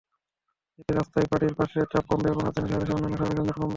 এতে রাস্তায় গাড়ির চাপ কমবে এবং রাজধানীসহ দেশের অন্যান্য শহরে যানজট কমবে।